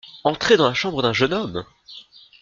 Entrer dans la chambre d’un jeune homme !